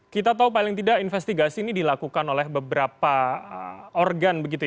kita tahu paling tidak investigasi ini dilakukan oleh beberapa organ begitu ya